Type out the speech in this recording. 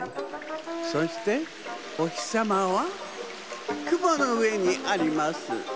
そしておひさまはくものうえにあります。